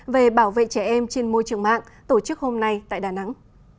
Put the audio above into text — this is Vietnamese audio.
về bảo vệ trẻ em trên môi trường mạng tổ chức hôm nay tại đà nẵng